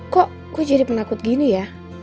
kok gue jadi penakut gini ya